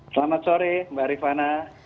selamat sore mbak rifana